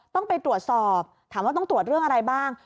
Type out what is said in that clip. ต้องไปตรวจสอบถามว่าต้องตรวจเรื่องอะไรบ้าง